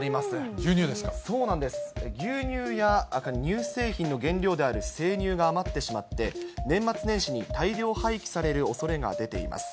牛乳や乳製品の原料である生乳が余ってしまって、年末年始に大量廃棄されるおそれが出ています。